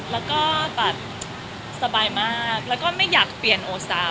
แล้วก็แบบสบายมากแล้วก็ไม่อยากเปลี่ยนโอซา